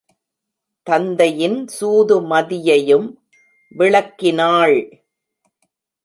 தந்தையின் சூதுமதியையும் விளக்கினாள்.